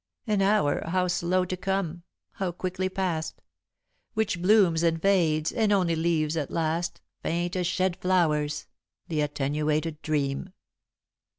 An hour how slow to come, how quickly past, Which blooms and fades, and only leaves at last, Faint as shed flowers, the attenuated dream."